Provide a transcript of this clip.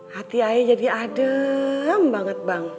hati dia jadi adem banget